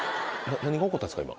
何が起こったんですか今。